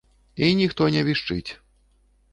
І ніхто не вішчыць.